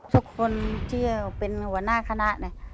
สุขคลที่เป็นหัวหน้าคณะ